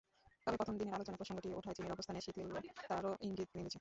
তবে প্রথম দিনের আলোচনায় প্রসঙ্গটি ওঠায় চীনের অবস্থানে শিথিলতারও ইঙ্গিত মিলেছে।